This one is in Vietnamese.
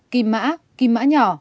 kim mã kim mã nhỏ